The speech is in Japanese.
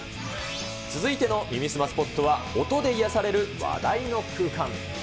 続いての耳すまスポットは、音で癒やされる話題の空間。